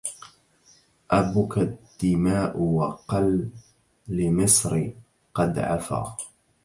أبك الدماء وقل لمصر قد عفا